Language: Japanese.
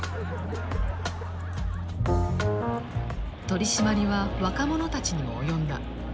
取締りは若者たちにも及んだ。